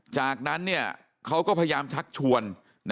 จากนั้นเขาก็พยายามชักชวน